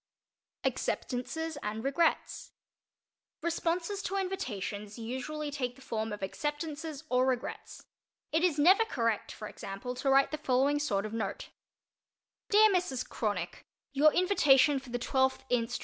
_ ACCEPTANCES AND REGRETS Responses to invitations usually take the form of "acceptances" or "regrets." It is never correct, for example, to write the following sort of note: DEAR MRS. CRONICK: Your invitation for the 12th inst.